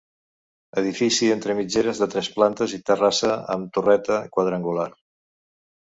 Edifici entre mitgeres de tres plantes i terrassa amb torreta quadrangular.